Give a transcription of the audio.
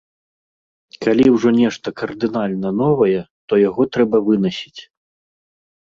Калі ўжо нешта кардынальна новае, то яго трэба вынасіць.